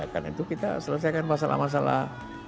karena itu kita selesaikan masalah masalah